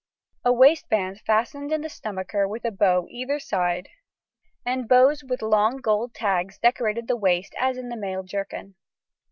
A waistband fastened in the stomacher with a bow either side and bows with long gold tags decorated the waist as in the male jerkin.